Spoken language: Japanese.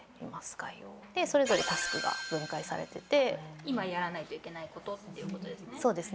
概要をでそれぞれタスクが分解されてて今やらないといけないことってことですね？